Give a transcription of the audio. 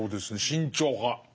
慎重派。